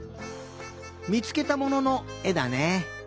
みつけたもののえだね。